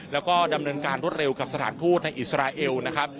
แล้วก็ดำเนินการรวดเร็วกับสถานทูตในอิสราเอลนะครับ